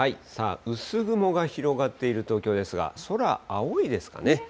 さあ、薄雲が広がっている東京ですが、空、青いですかね。